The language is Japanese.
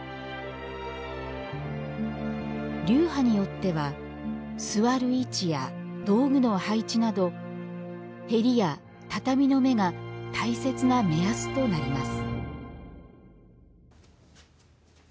流派によっては座る位置や道具の配置など縁や畳の目が大切な目安となります